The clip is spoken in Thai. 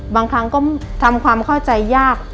บางครั้งก็ทำความเข้าใจยาก